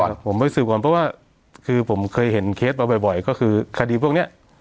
ผมไปสืบก่อนเพราะว่าคือผมเคยเห็นเคสมาบ่อยก็คือคดีพวกเนี้ย